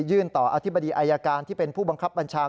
ต่ออธิบดีอายการที่เป็นผู้บังคับบัญชา